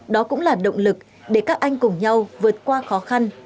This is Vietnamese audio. đó cũng là động lực để các anh cùng nhau vượt qua khó khăn